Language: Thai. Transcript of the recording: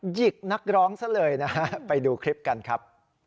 หิกนักร้องซะเลยนะฮะไปดูคลิปกันครับ